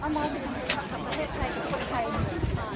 ก็ไม่มีใครกลับมาเมื่อเวลาอาทิตย์เกิดขึ้น